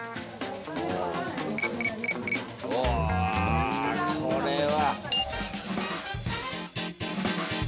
うわ、これは！